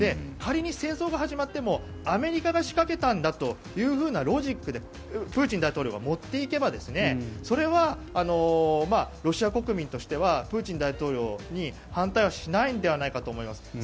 仮に戦争が始まってもアメリカが仕掛けたんだというようなロジックでプーチン大統領が持っていけばそれはロシア国民としてはプーチン大統領に反対はしないんではないかと思います。